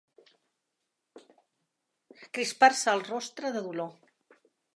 Crispar-se el rostre de dolor.